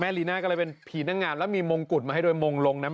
ลีน่าก็เลยเป็นผีนักงานแล้วมีมงกุฎมาให้ด้วยมงลงนะ